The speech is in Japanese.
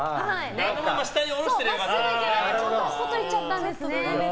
あのまま下に下ろしてりゃよかったね。